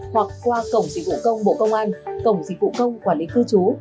hoặc qua cổng dịch vụ công bộ công an cổng dịch vụ công quản lý cư trú